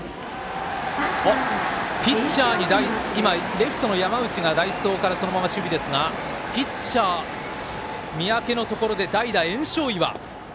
今、レフトの山内が代走からそのまま守備ですがピッチャー、三宅のところで代打、焔硝岩。